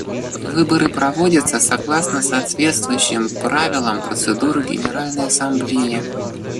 Выборы проводятся согласно соответствующим правилам процедуры Генеральной Ассамблеи.